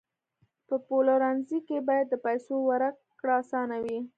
په پلورنځي کې باید د پیسو ورکړه اسانه وي.